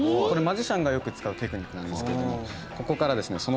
これマジシャンがよく使うテクニックなんですけれどもここからですね